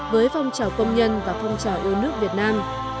với phong trào công nhân và phong trào yêu nước việt nam